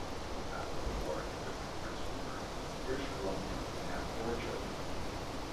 After the war, he lived in Prince Rupert, British Columbia and had four children.